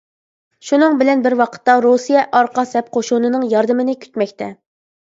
شۇنىڭ بىلەن بىر ۋاقىتتا رۇسىيە ئارقا سەپ قوشۇنىنىڭ ياردىمىنى كۈتمەكتە.